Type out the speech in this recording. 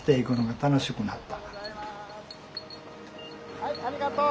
はいありがとう。